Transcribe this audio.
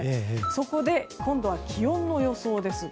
そこで、今度は気温の予想です。